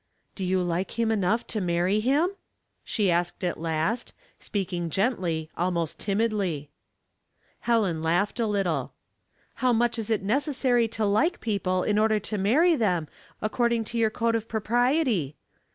" Do you like him enough to marry him ?'* she asked at last, speaking gently, almost timidly. Helen laughed a little. "How much is it necessary to like people In order to marry them, according to your code of propriety